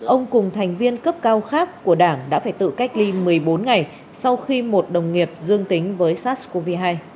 ông cùng thành viên cấp cao khác của đảng đã phải tự cách ly một mươi bốn ngày sau khi một đồng nghiệp dương tính với sars cov hai